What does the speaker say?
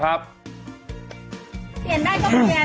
ถ้าเปลี่ยนได้ก็จะเปลี่ยน